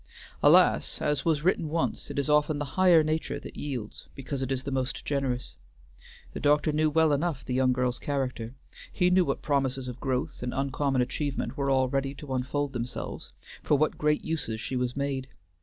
Alas, as was written once, it is often the higher nature that yields, because it is the most generous. The doctor knew well enough the young girl's character. He knew what promises of growth and uncommon achievement were all ready to unfold themselves, for what great uses she was made.